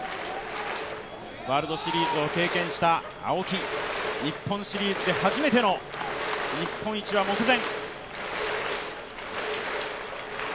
ワールドシリーズを経験した青木、日本シリーズで初めての日本一は目前。